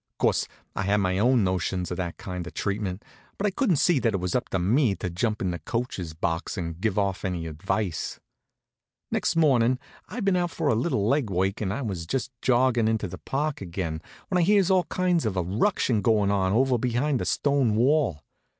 Course, I had my own notions of that kind of treatment, but I couldn't see that it was up to me to jump in the coacher's box and give off any advice. Next mornin' I'd been out for a little leg work and I was just joggin' into the park again, when I hears all kinds of a ruction goin' on over behind the stonewall.